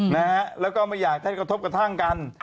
นะฮะแล้วก็ไม่อยากให้กระทบกระทั่งกัน